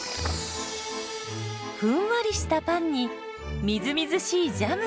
ふんわりしたパンにみずみずしいジャム。